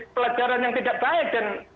pelajaran yang tidak baik dan